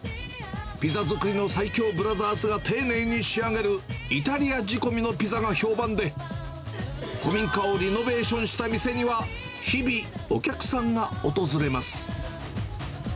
ピザ好きの最強ブラザーズが丁寧に仕上げる、イタリア仕込みのピザが評判で、古民家をリノベーションした店には、日々、お客さんが訪れます。